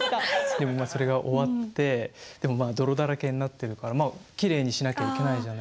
でもまあそれが終わって泥だらけになってるからきれいにしなきゃいけないじゃないですか。